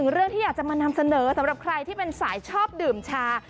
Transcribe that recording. เรื่องที่อยากจะมานำเสนอสำหรับใครที่เป็นสายชอบดื่มชา